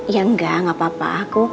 ya enggak gak apa apa